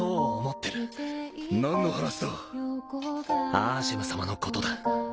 アーシェム様のことだ